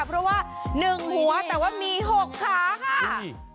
เพราะว่า๑หัวแต่ว่ามี๖ขาค่ะ